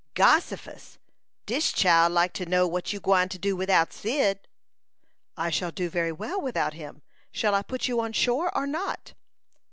"Gossifus! Dis chile like to know what you gwine to do widout Cyd." "I shall do very well without him. Shall I put you on shore, or not?"